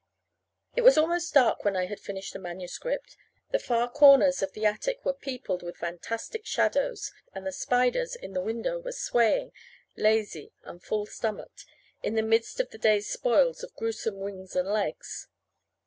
It was almost dark when I had finished the manuscript. The far corners of the attic were peopled with fantastic shadows, and the spiders in the window were swaying, lazy and full stomached, in the midst of the day's spoils of gruesome wings and legs.